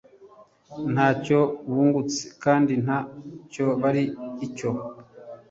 nta cyo bungutse kandi nta cyo bari cyo